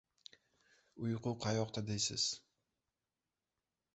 Uyqu qayoqda deysiz?